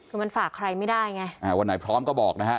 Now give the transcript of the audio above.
คือมันฝากใครไม่ได้ไงอ่าวันไหนพร้อมก็บอกนะฮะ